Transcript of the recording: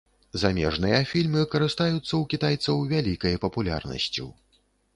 Замежныя фільмы карыстаюцца ў кітайцаў вялікай папулярнасцю.